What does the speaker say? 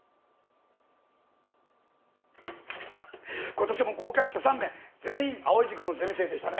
今年も合格者３名全員藍井塾のゼミ生でしたね。